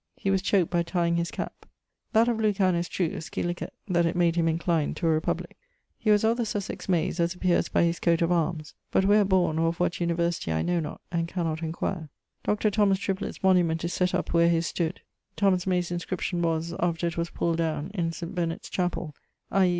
He was choaked by tyeing his cap. That of Lucan is true, scil., that it made him incline to a republic. He was of the Sussex Mayes, as appeares by his coate of armes: but where borne or of what university I know not, and cannot enquire. Dr. Triplet's monument is set up where his stood. Thomas May's inscription was, after it was pulled downe, in St. Bennet's chapell, i.